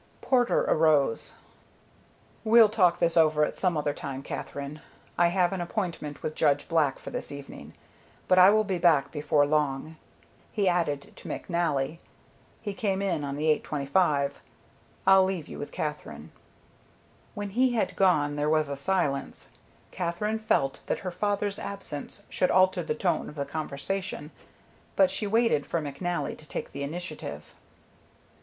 Porter arose. "We'll talk this over at some other time, Katherine. I have an appointment with Judge Black for this evening, but I will be back before long." He added to McNally, "He came in on the 8.25. I'll leave you with Katherine." When he had gone there was a silence. Katherine felt that her father's absence should alter the tone of the conversation, but she waited for McNally to take the initiative.